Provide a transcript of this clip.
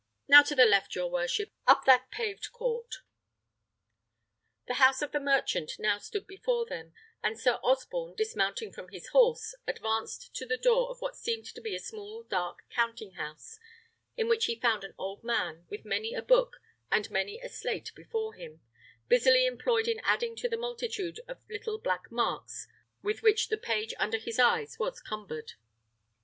Now to the left, your worship, up that paved court." The house of the merchant now stood before them, and Sir Osborne, dismounting from his horse, advanced to the door of what seemed to be a small dark counting house, in which he found an old man, with many a book and many a slate before him, busily employed in adding to the multitude of little black marks with which the page under his eyes was cumbered.